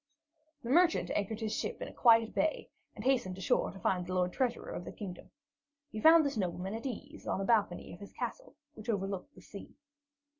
The merchant anchored his ship in a quiet bay, and hastened ashore to find the Lord Treasurer of the Kingdom. He found this nobleman at ease on a balcony of his castle which overlooked the sea.